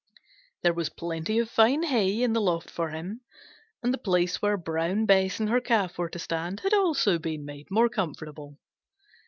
There was plenty of fine hay in the loft for him, and the place where Brown Bess and her Calf were to stand had also been made more comfortable.